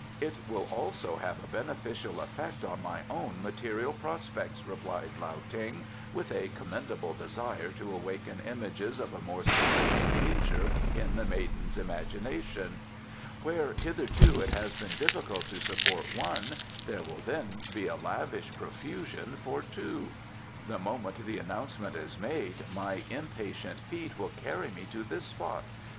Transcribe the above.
"It will also have a beneficial effect on my own material prospects," replied Lao Ting, with a commendable desire to awaken images of a more specific nature in the maiden's imagination. "Where hitherto it has been difficult to support one, there will then be a lavish profusion for two. The moment the announcement is made, my impatient feet will carry me to this spot.